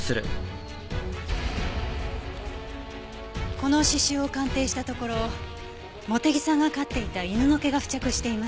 この刺繍を鑑定したところ茂手木さんが飼っていた犬の毛が付着していました。